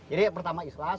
nah jadi pertama islas